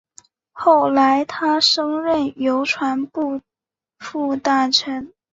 后来他升任邮传部副大臣。